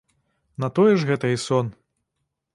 На тое ж гэта і сон.